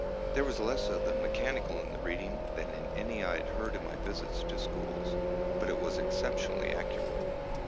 There was less of the mechanical in the reading than in any I had heard in my visits to schools; but it was exceptionally accurate.